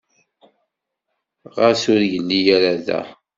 Ɣas ur yelli ara da?